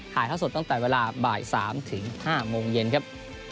เท่าสดตั้งแต่เวลาบ่าย๓ถึง๕โมงเย็นครับ